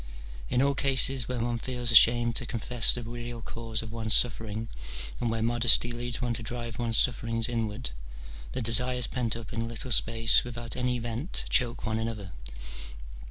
In all cases where one feels ashamed to confess the real cause of one's sufPering, and where modesty leads one to drive one's sufferings inward, the desires pent up in a little space without any vent choke one another.